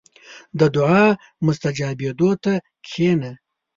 • د دعا مستجابېدو ته کښېنه.